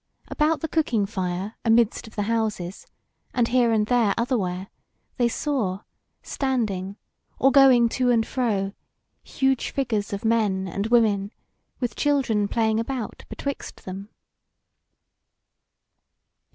About the cooking fire amidst of the houses, and here and there otherwhere, they saw, standing or going to and fro, huge figures of men and women, with children playing about betwixt them.